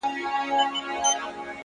هوښیار انسان د بیړې قرباني نه کېږي،